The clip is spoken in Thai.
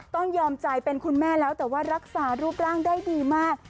ยอมใจเป็นคุณแม่แล้วแต่ว่ารักษารูปร่างได้ดีมาก